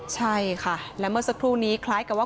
ใช่ค่ะและเมื่อสักครู่นี้คล้ายกับว่า